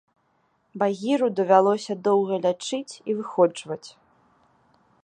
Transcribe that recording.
Багіру давялося доўга лячыць і выходжваць.